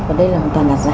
và đây là hoàn toàn đạt giả